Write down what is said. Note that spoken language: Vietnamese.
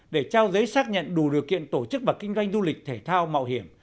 để trao giấy xác nhận đủ điều kiện tổ chức và kinh doanh du lịch thể thao mạo hiểm